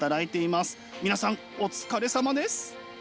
皆さんお疲れさまです。